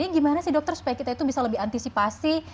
gimana sih dokter supaya kita itu bisa lebih antisipasi